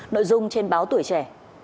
nội dung trên báo tuổi trẻ